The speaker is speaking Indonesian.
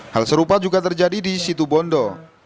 hal serupa juga terjadi di situ bondo